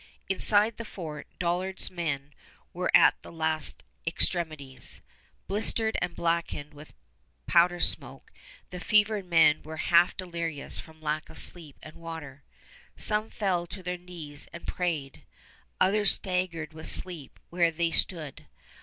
Inside the fort, Dollard's men were at the last extremities. Blistered and blackened with powder smoke, the fevered men were half delirious from lack of sleep and water. Some fell to their knees and prayed. Others staggered with sleep where they stood.